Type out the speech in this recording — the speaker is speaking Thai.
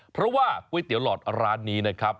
เพราะว่าก๋วยเตี๋ยวหลอดร้านนี้นะครับ